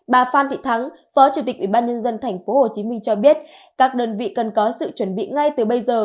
bà phan thị thắng phó chủ tịch ủy ban nhân dân thành phố hồ chí minh cho biết